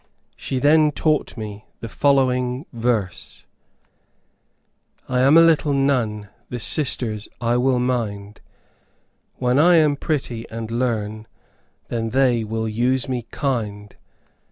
She then taught me the following verse: I am a little nun, The sisters I will mind; When I am pretty and learn, Then they will use me kind.